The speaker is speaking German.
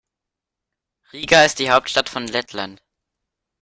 Riga ist die Hauptstadt von Lettland.